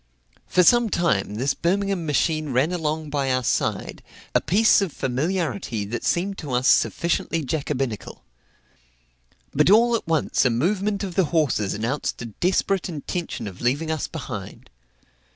For some time this Birmingham machine ran along by our side a piece of familiarity that seemed to us sufficiently jacobinical. But all at once a movement of the horses announced a desperate intention of leaving us behind.